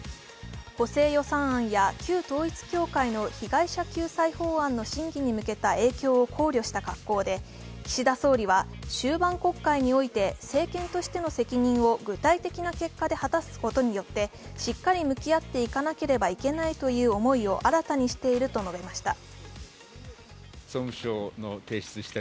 補正予算案や旧統一教会の被害者救済法案の審議に向けた影響を考慮した格好で、岸田総理は終盤国会において政権としての責任を具体的な結果で果たすことによってしっかり向き合っていかなければいけないという思いを新たにしていると述べました。